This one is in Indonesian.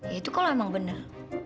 ya itu kalau emang benar